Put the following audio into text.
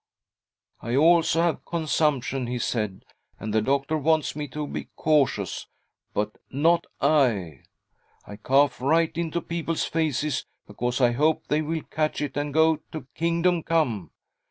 ' I also have consumption,' he said, ' and the doctor Wants me to be cautious — but not I ! I cough right into people's faces, because I hope they will catch it and go to "Kingdom Come."